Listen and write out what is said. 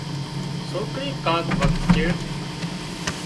سوڪري ڪانڪ وکت چيڙ